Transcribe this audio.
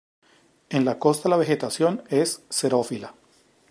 En la costa la vegetación es xerófila.